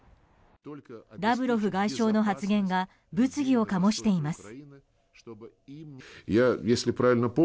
ラブロフ外相の発言が物議を醸しています。